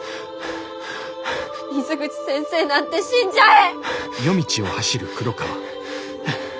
水口先生なんて死んじゃえ！